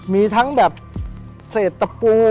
มีทั้งแบบเศษตะปู